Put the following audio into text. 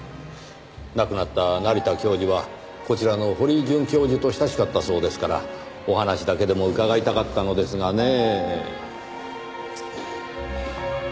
亡くなった成田教授はこちらの堀井准教授と親しかったそうですからお話だけでも伺いたかったのですがねぇ。